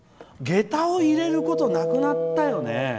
げたを入れることなくなったよね。